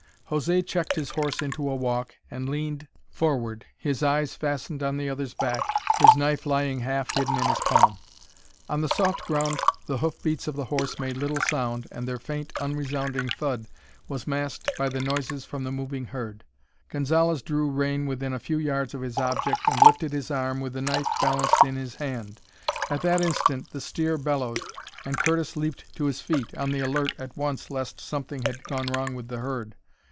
José checked his horse into a walk and leaned forward, his eyes fastened on the other's back, his knife lying half hidden in his palm. On the soft ground the hoof beats of the horse made little sound and their faint, unresounding thud was masked by the noises from the moving herd. Gonzalez drew rein within a few yards of his object and lifted his arm, with the knife balanced in his hand. At that instant the steer bellowed, and Curtis leaped to his feet, on the alert at once lest something had gone wrong with the herd.